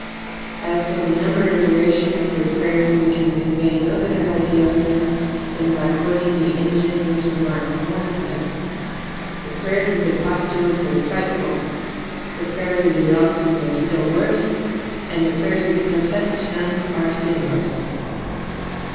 As for the number and duration of their prayers we can convey no better idea of them than by quoting the ingenuous remark of one of them: "The prayers of the postulants are frightful, the prayers of the novices are still worse, and the prayers of the professed nuns are still worse."